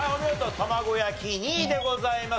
たまご焼き２位でございます。